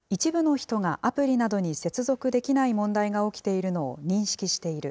会社は、一部の人がアプリなどに接続できない問題が起きているのを認識している。